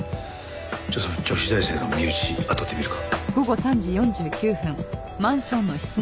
じゃあその女子大生の身内あたってみるか。